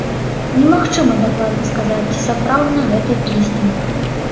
Немагчыма дакладна сказаць, ці сапраўдны гэты кісцень.